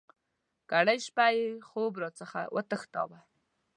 کرۍ شپه یې خوب را څخه وتښتاوه.